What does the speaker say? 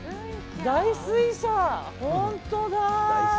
大水車、本当だ。